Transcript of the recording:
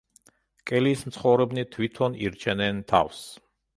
კელიის მცხოვრებნი თვითონ ირჩენენ თავს.